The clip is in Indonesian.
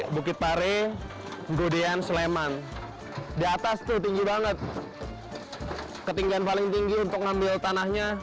bukit pare gudean sleman di atas tuh tinggi banget ketinggian paling tinggi untuk ngambil tanahnya